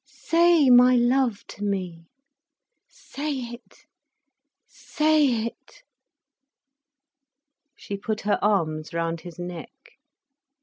Say 'my love' to me, say it, say it." She put her arms round his neck.